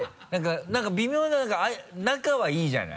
何か微妙な仲はいいじゃない。